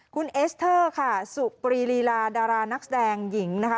คุณเอสเตอร์ค่ะสุปรีลีลาดารานักแสดงหญิงนะคะ